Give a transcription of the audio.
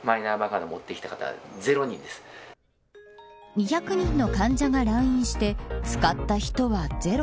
２００人の患者が来院して使った人はゼロ。